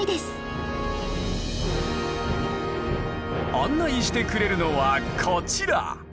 案内してくれるのはこちら。